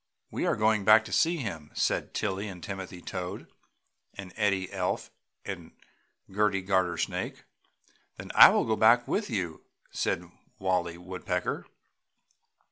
"We are going back to see him!" said Tilly and Timothy Toad and Eddie Elf and Gerty Gartersnake. "Then I will go back with you!" said Wallie Woodpecker.